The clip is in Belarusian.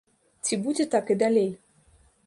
Ці будзе так і далей?